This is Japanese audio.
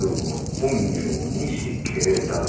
本名西桂太郎」。